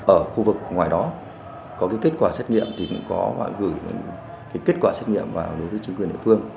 ở khu vực ngoài đó có cái kết quả xét nghiệm thì cũng có gửi kết quả xét nghiệm vào đối với chính quyền địa phương